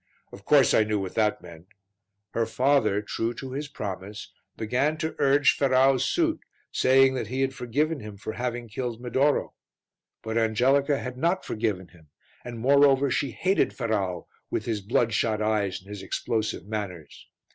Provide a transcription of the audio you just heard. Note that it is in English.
Of course I knew what that meant. Her father, true to his promise, began to urge Ferrau's suit, saying that he had forgiven him for having killed Medoro. But Angelica had not forgiven him, and moreover she hated Ferrau with his bloodshot eyes and his explosive manners.